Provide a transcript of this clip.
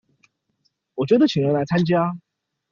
我覺得請人來參加